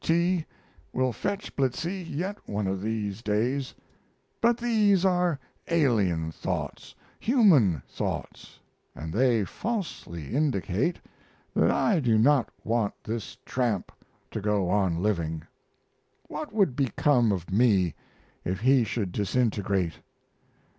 D. T. will fetch Blitzy yet one of these days. But these are alien thoughts, human thoughts, and they falsely indicate that I do not want this tramp to go on living. What would become of me if he should disintegrate?